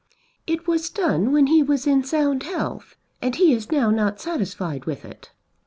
"It was done when he was in sound health, and he is now not satisfied with it."